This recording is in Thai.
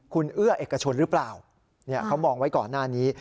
คุณเอื้อเอกชนหรือเปล่าเขามองไว้ก่อนหน้านี้